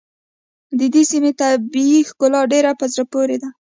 د دې سيمې طبیعي ښکلا ډېره په زړه پورې ده.